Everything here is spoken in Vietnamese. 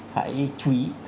phải chú ý